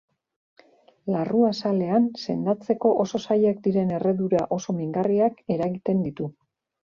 Larruazalean, sendatzeko oso zailak diren erredura oso mingarriak eragiten ditu.